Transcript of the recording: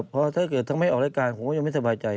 เพราะถ้าเกิดทั้งไม่ออกรายการผมก็ยังไม่สบายใจ